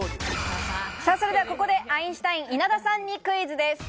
それでは、ここでアインシュタイン稲田さんにクイズです。